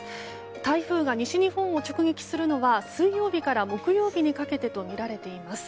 台風が西日本を直撃するのは水曜日から木曜日にかけてとみられています。